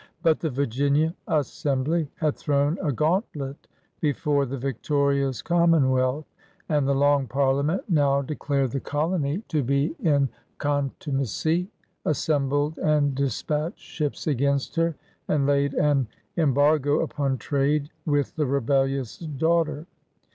But the Virginia Assembly had thrown a gaunt let before the victorious Commonwealth ; and the Long Parliament now declared the colony to be «k COMMONWEALTH AND RESTORATION 151 in contumacy, assembled and dispatched ships against her, and laid an embargo upon trade with the rebellious daughter.